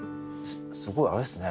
すごいあれですね。